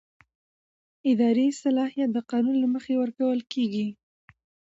اداري صلاحیت د قانون له مخې ورکول کېږي.